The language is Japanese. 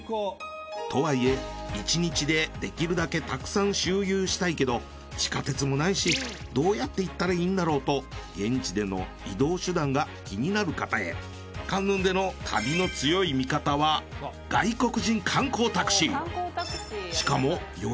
とはいえ１日でできるだけたくさん周遊したいけど地下鉄もないしどうやって行ったらいいんだろうと現地での移動手段が気になる方へカンヌンでの旅の強い味方はしかも。